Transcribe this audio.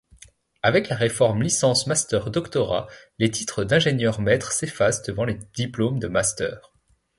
Avec la réforme Licence-Master-Doctorat les titres d’ingénieurs-maître s’effacent devant les diplômes de master.